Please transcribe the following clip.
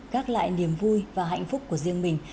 gác lại niềm vui và hạnh phúc của riêng mình